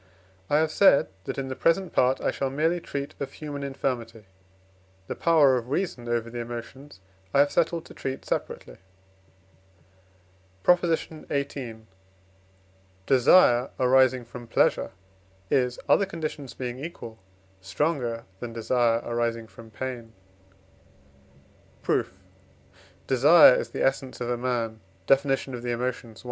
I have said, that in the present part I shall merely treat of human infirmity. The power of reason over the emotions I have settled to treat separately. PROP. XVIII. Desire arising from pleasure is, other conditions being equal, stronger than desire arising from pain. Proof. Desire is the essence of a man (Def. of the Emotions, i.)